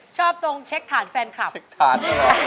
ชอบตรงเช็คฐานแฟนคลับ